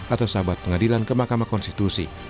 atau sahabat pengadilan ke mahkamah konstitusi